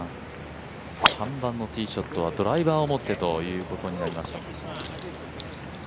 ３番のティーショットはドライバーを持ってということになりました。